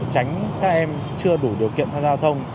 tránh các em chưa đủ điều kiện theo giao thông